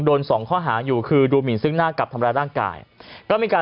สองข้อหาอยู่คือดูหมินซึ่งหน้ากับทำร้ายร่างกายก็มีการ